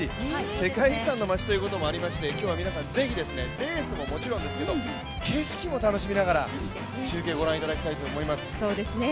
世界遺産の街ということで今日は皆さん是非、レースもですが景色も楽しみながら中継をご覧いただきたいと思います。